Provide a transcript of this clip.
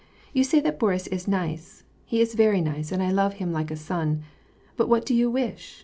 You say that Boris is nice. He is very nice, and I love him like a son, but what do you wish